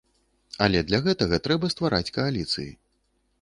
Але для гэтага трэба ствараць кааліцыі.